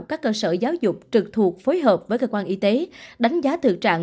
các cơ sở giáo dục trực thuộc phối hợp với cơ quan y tế đánh giá thực trạng